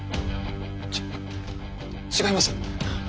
ち違います。